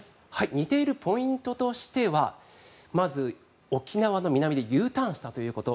似ているポイントとしてはまず沖縄の南でＵターンしたということ